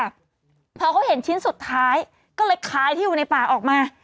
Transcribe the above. พอเขาเห็นชิ้นสุดท้ายก็เลยขายที่อยู่ในป่าออกมา